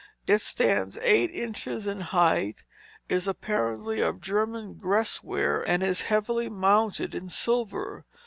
It stands eight inches in height, is apparently of German Gresware, and is heavily mounted in silver.